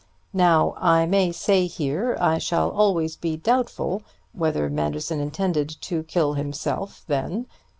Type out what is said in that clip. "Now I may say here I shall always be doubtful whether Manderson intended to kill himself then.